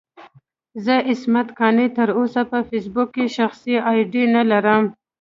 زه عصمت قانع تر اوسه په فېسبوک کې شخصي اې ډي نه لرم.